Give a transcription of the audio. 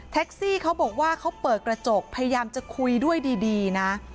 ซี่เขาบอกว่าเขาเปิดกระจกพยายามจะคุยด้วยดีนะ